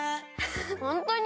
ホントに？